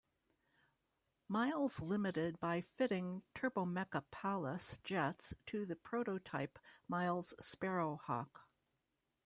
Miles Limited by fitting Turbomeca Palas jets to the prototype Miles Sparrowhawk.